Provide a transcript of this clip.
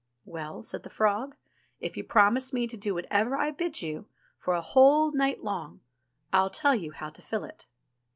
"Well," said the frog, "if you promise me to do whatever I bid you for a whole night long, I'll tell you how to fill it."